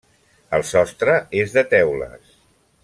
El sostre és de teules.